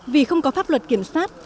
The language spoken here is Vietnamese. vì không có pháp luật kiểm soát